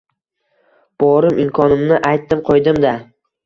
Borim — imkonimni aytdim-qo‘ydim-da